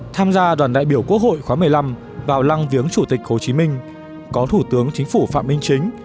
tham gia đoàn đại biểu quốc hội khóa một mươi năm vào lăng viếng chủ tịch hồ chí minh có thủ tướng chính phủ phạm minh chính